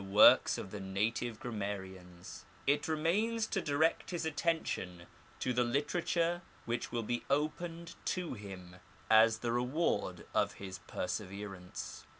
works of the native grammarians, it remains to direct his attention to the literature which will be opened to him as the reward of his perseverance.